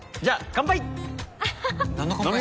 乾杯。